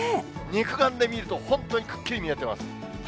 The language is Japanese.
肉眼で見ると、本当にくっきり見えてます。